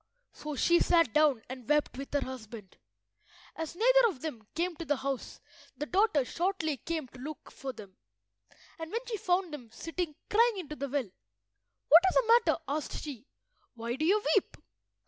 So she sat down and wept with her husband. As neither of them came to the house the daughter shortly came to look for them, and when she found them sitting crying into the well— "What is the matter?" asked she. "Why do you weep?"